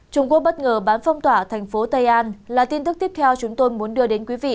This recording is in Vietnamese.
trung quốc bất ngờ bán phong tỏa thành phố tây an là tin tức tiếp theo chúng tôi muốn đưa đến quý vị